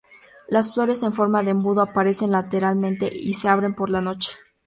Las flores en forma de embudo aparecen lateralmente y se abren por la noche.